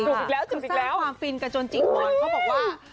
สร้างความฟินกันจนจิ๊กหวานเขาบอกว่า